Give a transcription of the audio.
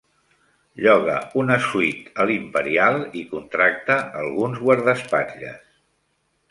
Lloga una suite a l'Imperial i contracta alguns guardaespatlles.